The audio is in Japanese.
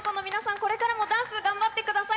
これからもダンスを頑張ってください。